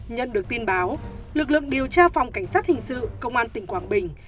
nhận được tin báo lực lượng điều tra phòng cảnh sát hình sự công an tỉnh quảng bình